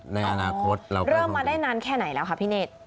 เริ่มมาได้นานแค่ไหนล่ะค่ะพี่เนธ